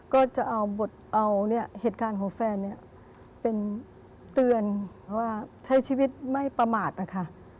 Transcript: ก็จะเอาเหตุการณ์ของแฟนเนี่ยเป็นเตือนว่าใช้ชีวิตไม่ประมาทนะคะ